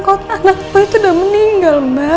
kalau anak gue itu udah meninggal mbak